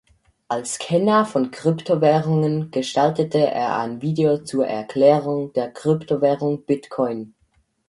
Als Kenner von Kryptowährungen gestaltete er ein Video zur Erklärung der Kryptowährung Bitcoin.